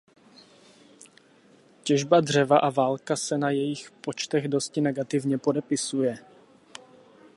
Těžba dřeva a válka se na jejich počtech dosti negativně podepisuje.